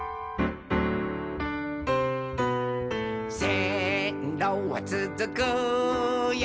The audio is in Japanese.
「せんろはつづくよ